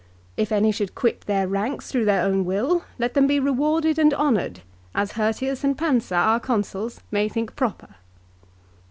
If any should quit their ranks through their own will, let them be rewarded and honoured, as Hirtius and Pansa, our consuls, may think proper."